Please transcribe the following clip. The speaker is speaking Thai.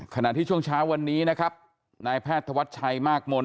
ขณะที่ช่วงเช้าวันนี้นายแพทย์ธวัตรชัยมากมล